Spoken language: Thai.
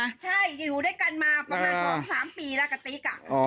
ใช่อยู่ด้วยกันมาประมาณสองสามปีแล้วกับติ๊กอ่ะ